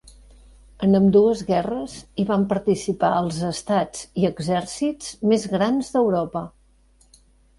En ambdues guerres hi van participar els estats i exèrcits més grans d'Europa.